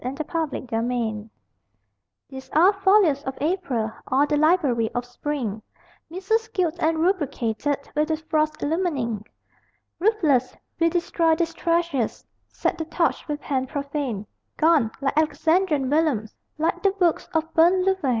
BURNING LEAVES, NOVEMBER These are folios of April, All the library of spring, Missals gilt and rubricated With the frost's illumining. Ruthless, we destroy these treasures, Set the torch with hand profane Gone, like Alexandrian vellums, Like the books of burnt Louvain!